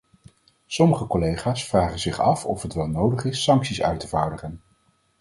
Sommige collega's vragen zich af of het wel nodig is sancties uit te vaardigen.